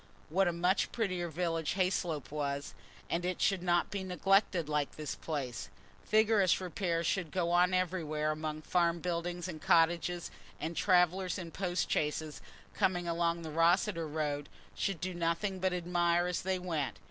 What a much prettier village Hayslope was! And it should not be neglected like this place: vigorous repairs should go on everywhere among farm buildings and cottages, and travellers in post chaises, coming along the Rosseter road, should do nothing but admire as they went.